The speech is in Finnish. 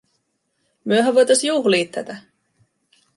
“Myöhän voitais juhlii tätä.